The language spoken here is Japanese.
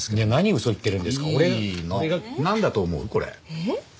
えっ？